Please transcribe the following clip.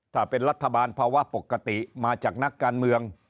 ถ้าเป็นรัฐบาลภาวะปกติมาจากนักการเมือง